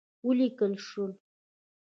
وليکل شول: